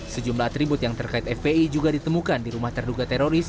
sejumlah atribut yang terkait fpi juga ditemukan di rumah terduga teroris